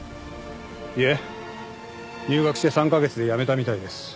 いえ入学して３カ月で辞めたみたいです。